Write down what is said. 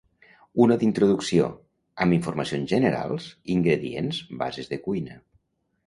una d'introducció, amb informacions generals, ingredients, bases de cuina